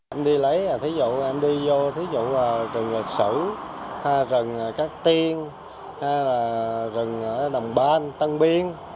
em đi lấy em đi vô thí dụ rừng lạc sử rừng các tiên rừng đầm ban tân biên